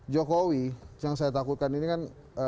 jokowi yang saya takutkan ini kan